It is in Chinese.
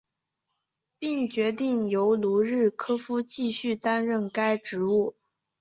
并决定由卢日科夫继续担任该职务。